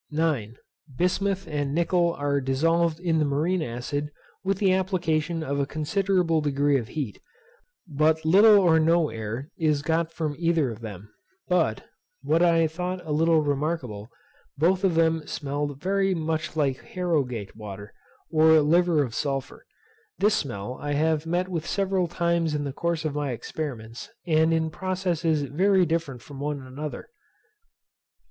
9. Bismuth and nickel are dissolved in the marine acid with the application of a considerable degree of heat; but little or no air is got from either of them; but, what I thought a little remarkable, both of them smelled very much like Harrowgate water, or liver of sulphur. This smell I have met with several times in the course of my experiments, and in processes very different from one another.